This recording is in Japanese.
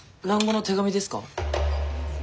蘭語の手紙ですか？